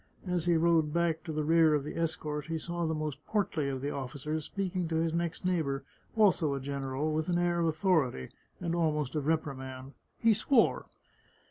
As he rode back to the rear of the escort, he saw the most portly of the officers speaking to his next neighbour, also a general, with an air of authority, and almost of reprimand. He swore.